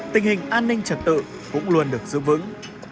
tình hình an ninh trật tự cũng luôn được giữ vững